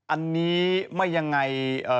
อันนี้ไม่ยังไง